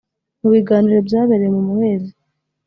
mu biganiro byabereye mu muhezo